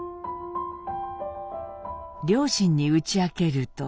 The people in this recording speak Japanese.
両親に打ち明けると。